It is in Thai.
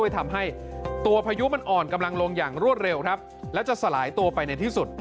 ทำให้ตัวพายุอ่อนลงอย่างรวดเร็วและจะสลายตัวไปในที่สุด